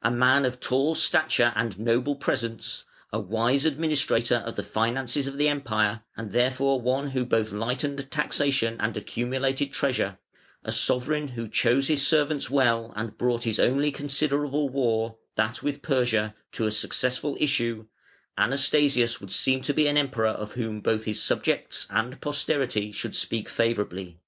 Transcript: A man of tall stature and noble presence, a wise administrator of the finances of the Empire, and therefore one who both lightened taxation and accumulated treasure, a sovereign who chose his servants well and brought his only considerable war, that with Persia, to a successful issue, Anastasius would seem to be an Emperor of whom both his own subjects and posterity should speak favourably.